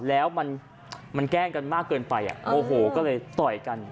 แล้วมันแกล้งกันมากเกินไปโมโหก็เลยต่อยกัน